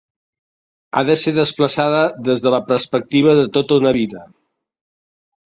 Ha de ser desplaçada des de la perspectiva de tota una vida.